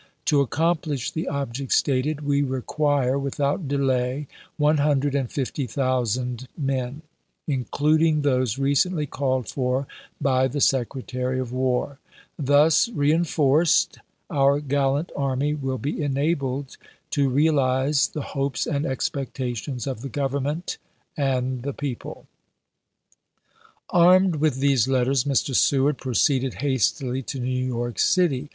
To accomplish the object stated, we require, without delay, one hundred and fifty thousand men, including those recently called for by the Secretary of War. Thus reenf orced, our gallant army will be enabled to realize the hopes and expectations of the Government and the people. Lincoln to the Governors, Jime 30, 1862. MS. Armed with these letters, Mr. Seward proceeded hastily to New York City.